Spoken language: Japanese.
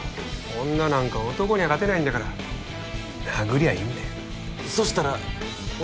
女なんか男には勝てないんだから殴りゃいいんだよそしたらおとなしくなります？